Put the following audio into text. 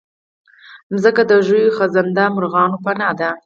مځکه د ژوي، خزنده، مرغانو پناه ده.